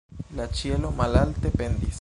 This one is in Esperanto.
La ĉielo malalte pendis.